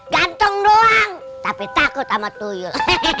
gantung doang tapi takut ama tuyul